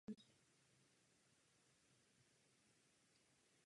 A děti přece nejsou zboží.